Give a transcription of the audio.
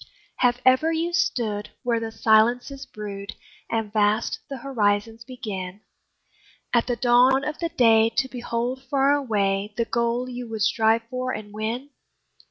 Have ever you stood where the silences brood, And vast the horizons begin, At the dawn of the day to behold far away The goal you would strive for and win?